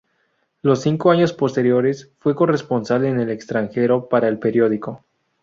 Los cinco años posteriores, fue corresponsal en el extranjero para el periódico.